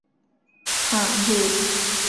হাঁ, জোর।